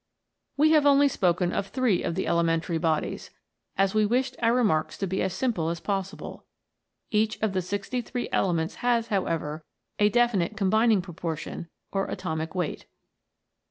We have only spoken of three of the ele mentary bodies, as we wished our remarks to be as simple as possible ; each of the sixty three elements has, however, a definite combining proportion or atomic weight.